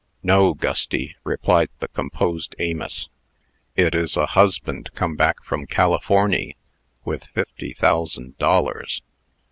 "No, Gusty," replied the composed Amos; "it is a husband come back from Californy, with fifty thousand dollars."